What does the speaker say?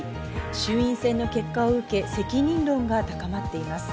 衆院選の結果を受け、責任論が高まっています。